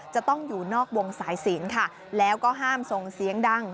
จะต้องอยู่นอกวงสายศีลค่ะแล้วก็ห้ามส่งเสียงดัง